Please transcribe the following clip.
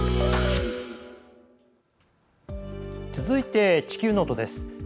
続いて「地球ノート」です。